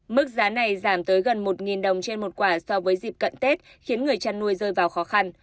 mức giá này giảm tới gần một đồng trên một quả so với dịp cận tết khiến người chăn nuôi rơi vào khó khăn